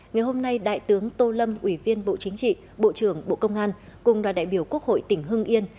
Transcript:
ngày hôm nay đại tướng tô lâm ủy viên bộ chính trị bộ trưởng bộ công an cùng đoàn đại biểu quốc hội tỉnh hưng yên